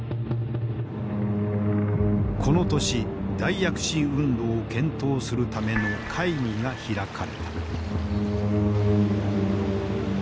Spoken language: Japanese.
この年大躍進運動を検討するための会議が開かれた。